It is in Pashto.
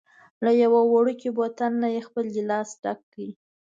له یوه وړوکي بوتل نه یې خپل ګېلاس ډک کړ.